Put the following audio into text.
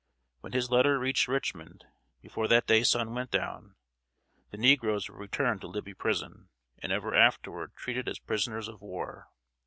When his letter reached Richmond, before that day's sun went down, the negroes were returned to Libby Prison and ever afterward treated as prisoners of war.